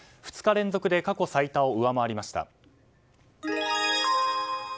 ２日連続で過去最多を上回りました。